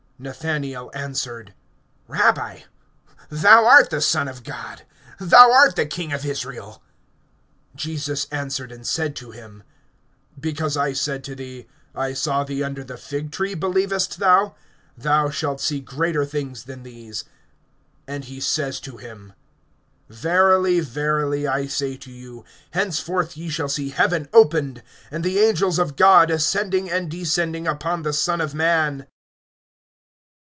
(49)Nathanael answered: Rabbi; thou art the Son of God, thou art the King of Israel. (50)Jesus answered and said to him: Because I said to thee, I saw thee under the fig tree, believest thou? Thou shalt see greater things than these. (51)And he says to him: Verily, verily, I say to you, henceforth[1:51] ye shall see heaven opened, and the angels of God ascending and descending upon the Son of man.